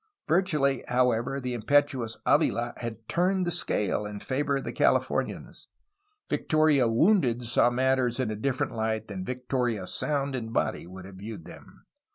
Virtually, however, the impetuous Avila had turned the scale in favor of the Californians. Victoria wounded saw matters in a different light than Victoria sound in body would have viewed them.